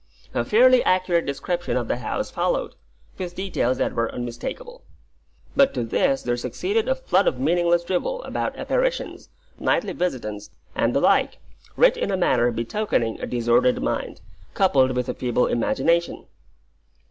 A fairly accurate description of the house followed, with details that were unmistakable; but to this there succeeded a flood of meaningless drivel about apparitions, nightly visitants, and the like, writ in a manner betokening a disordered mind, coupled with a feeble imagination.